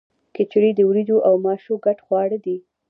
کچړي د وریجو او ماشو ګډ خواړه دي.